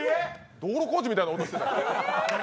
道路工事みたいな音してた。